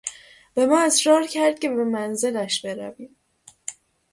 به ما اصرار کرد که به منزلش برویم.